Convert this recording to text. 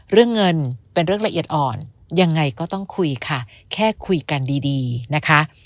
เรื่องเงินเป็นเรื่องละเอียดอ่อนยังไงก็ต้องคุยค่ะแค่คุยกันดีนะคะ